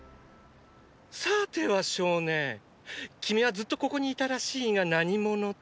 さては少年君はずっとここにいたらしいが何者だ？